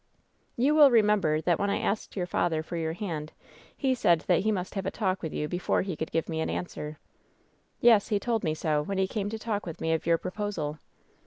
"You will remember that when I asked your father for your hand he said that he must have a talk with you before he could give an answer." "Yes, he told me so, when he came to talk with me of your proposal."